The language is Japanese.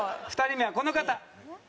２人目はこの方。